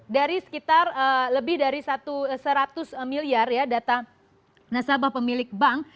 dari sekitar lebih dari seratus miliar ya data nasabah pemilik bank